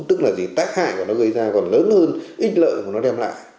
tức là gì tác hại của nó gây ra còn lớn hơn ít lợi của nó đem lại